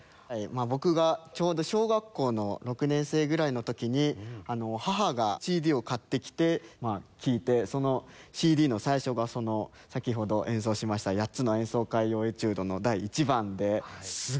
僕がちょうど小学校の６年生ぐらいの時に母がＣＤを買ってきて聴いてそのＣＤの最初がその先ほど演奏しました『８つの演奏会用エチュード』の第１番で。